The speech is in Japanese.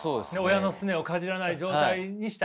親のスネをかじらない状態にしたいと。